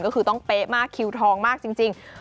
ก็คือต้องเป๊ะมากคิวทองมากจริง